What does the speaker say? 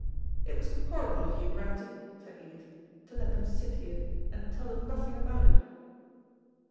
"It was horrible of you, Grantie," said Edith, "to let them sit here, and tell them nothing about it."